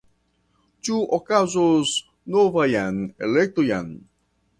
Ĉu okazos novaj elektoj?